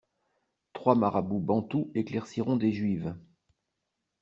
Trois marabouts bantous éclairciront des juives.